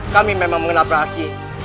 kami memang mengenal peraksi